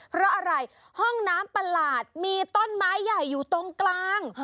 เพราะอะไรห้องน้ำประหลาดมีต้นไม้ใหญ่อยู่ตรงกลาง